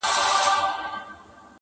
خر که هر څه په ځان غټ وو په نس موړ وو؛